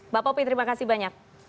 bapak popi terima kasih banyak